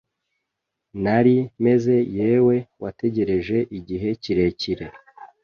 Nari meze yewe wategereje igihe kirekire